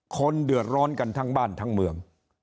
คนเดือดร้อนกันทั้งบ้านทั้งเมือง